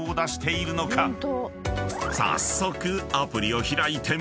［早速］